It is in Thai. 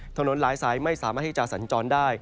หลายสายไม่สามารถที่จะสัญจรได้